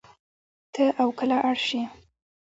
تۀ او کله ار سې